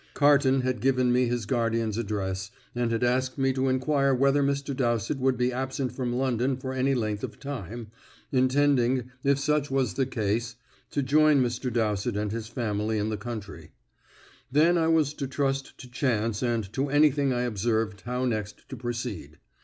Carton had given me his guardian's address, and had asked me to inquire whether Mr. Dowsett would be absent from London for any length of time, intending, if such was the case, to join Mr. Dowsett and his family in the country. Then I was to trust to chance and to anything I observed how next to proceed.